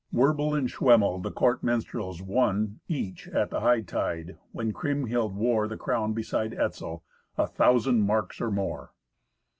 Werbel and Schwemmel, the court minstrels, won, each, at the hightide, when Kriemhild wore the crown beside Etzel, a thousand marks or more.